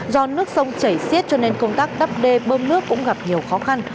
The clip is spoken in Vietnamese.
do nước sông chảy xiết cho nên công tác đắp đê bơm nước cũng gặp nhiều khó khăn